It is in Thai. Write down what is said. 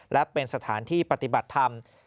และเป็นสถานที่ปฏิบัติธรรม